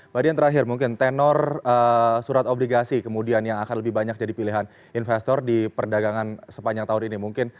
mbak dian terakhir mungkin tenor surat obligasi kemudian yang akan lebih banyak jadi pilihan investor di perdagangan sepanjang tahun ini mungkin